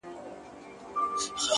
دا کيږي چي زړه له ياده وباسم -